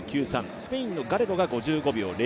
スペインのガレゴが５５秒０９。